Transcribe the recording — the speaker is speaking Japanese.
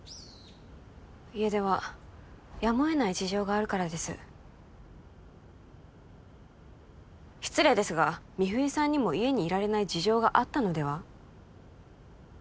家出はやむを得ない事情があるからです失礼ですが美冬さんにも家にいられない事情があったのでは？